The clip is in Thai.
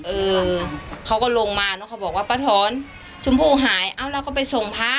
เออเขาก็ลงมาเนอะเขาบอกว่าป้าถอนชมพู่หายเอ้าเราก็ไปส่งพระ